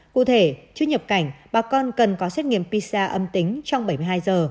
cụ thể trước nhập cảnh bà con cần có xét nghiệm pisa âm tính trong bảy mươi hai giờ